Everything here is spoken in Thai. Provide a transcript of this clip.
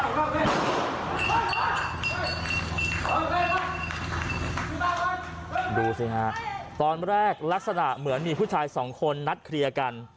ดูสิฮะตอนแรกลักษณะเหมือนมีผู้ชายสองคนนัดเคลียร์กัน